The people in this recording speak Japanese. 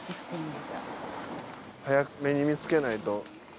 早めに見つけないと。